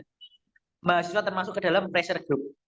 mahasiswa termasuk ke dalam pressure group